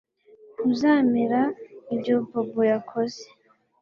Ntuzemera ibyo Bobo yakoze